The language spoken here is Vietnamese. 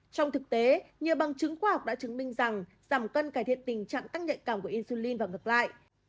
trong thực tế nhiều bằng chứng khoa học đã chứng minh rằng giảm cân cải thiện tình trạng tăng nhạy cảm của insulin và ngược lại